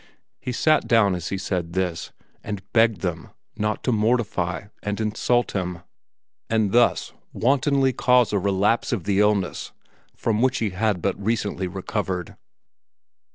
He sat down as he said this and begged them not to mortify and insult him and thus wantonly cause a relapse of the illness from which he had but recently recovered.